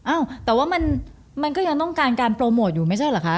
อ้าวแต่ว่ามันก็ยังต้องการการโปรโมทอยู่ไม่ใช่เหรอคะ